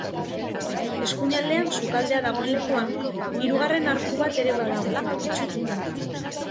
Eskuinaldean, sukaldea dagoen lekuan, hirugarren arku bat ere badago, itsututa.